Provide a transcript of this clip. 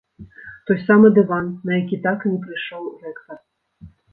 Той самы дыван, на які так і не прыйшоў рэктар.